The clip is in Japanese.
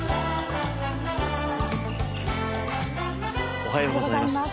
おはようございます。